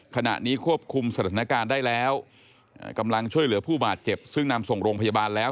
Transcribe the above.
ขณะนี้ควบคุมสถานการณ์ได้แล้วกำลังช่วยเหลือผู้บาดเจ็บซึ่งนำส่งโรงพยาบาลแล้ว